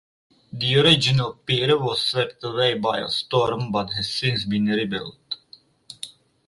The original pier was swept away by a storm but has since been rebuilt.